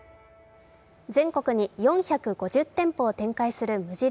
全国に４５０店舗を展開する無印